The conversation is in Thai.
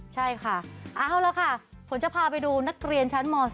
ใช่ค่ะเอาละค่ะฝนจะพาไปดูนักเรียนชั้นม๔